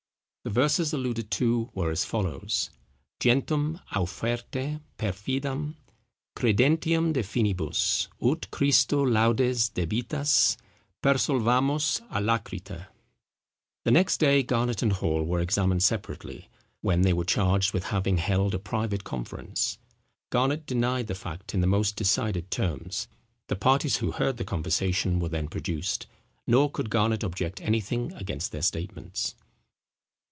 The verses alluded to were as follows:— Gentem auferte perfidam Credentium de finibus, Ut Christo laudes debitas, Persolvamus alacriter. The next day Garnet and Hall were examined separately, when they were charged with having held a private conference. Garnet denied the fact in the most decided terms. The parties who heard the conversation were then produced: nor could Garnet object anything against their statements.